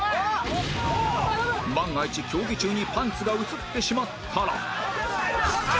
万が一競技中にパンツが映ってしまったら